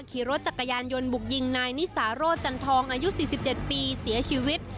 ขี่รถจักรยานยนต์บุกยิงนายนิสาโรธจันทองอายุ๔๗ปีเสียชีวิต